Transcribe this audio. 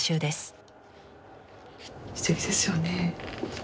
すてきですよね。